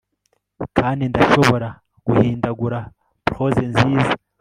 kandi ndashobora guhindagura prose nziza